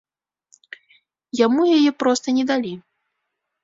Яму яе проста не далі.